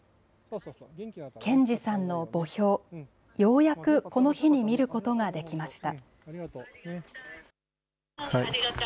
謙二さんの墓標、ようやくこの日に見ることができました。